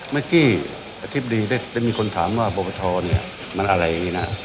เมื่อกี้อาทิตย์ดีได้ได้มีคนถามว่าประทองเนี้ยมันอะไรอย่างงี้น่ะ